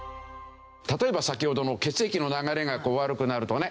例えば先ほどの血液の流れが悪くなるとね